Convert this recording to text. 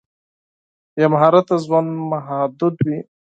بې مهارت ژوند محدود دی.